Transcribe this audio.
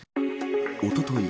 おととい